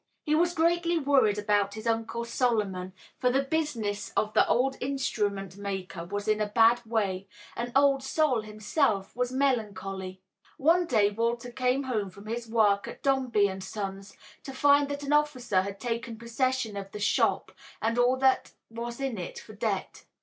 He was greatly worried about his Uncle Solomon, for the business of the old instrument maker was in a bad way, and Old Sol himself was melancholy. One day Walter came home from his work at Dombey and Son's to find that an officer had taken possession of the shop and all that was in it for debt.